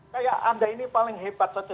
kayak anda ini paling hebat saja